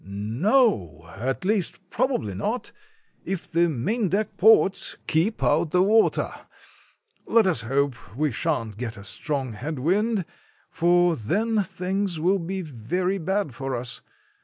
"No, at least probably not, if the maindeck ports keep out the water. Let us hope we shan't get a strong head wind, for then things will be very bad for us.